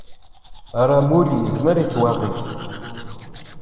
Aramul yezmer i twaɣit.